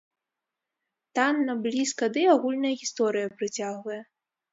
Танна, блізка, дый агульная гісторыя прыцягвае.